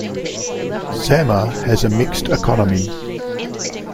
Zama has a mixed economy.